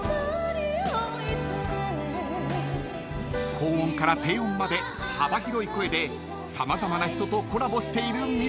［高音から低音まで幅広い声で様々な人とコラボしている水樹さんでした］